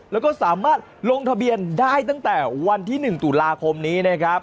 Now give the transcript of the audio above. แล้วก็สามารถลงทะเบียนได้ตั้งแต่วันที่๑ตุลาคมนี้นะครับ